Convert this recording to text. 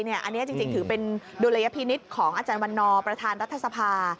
อันนี้จริงถือเป็นดุลยพินิษฐ์ของอาจารย์วันนอร์ประธานรัฐสภา